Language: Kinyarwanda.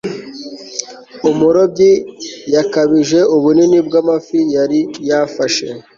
umurobyi yakabije ubunini bw'amafi yari yafashe